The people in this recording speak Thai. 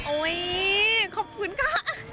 โอ๊ยขอบคุณค่ะ